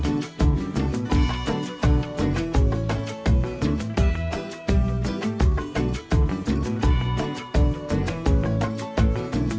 อืมนี่อันใช่ไหมพิเศษจ้ะเนี้ยแล้วเนี้ยมันมันไม่เห็นวันที่